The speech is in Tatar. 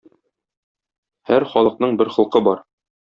Һәр халыкның бер холкы бар.